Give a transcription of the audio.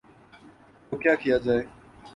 تو کیا کیا جائے؟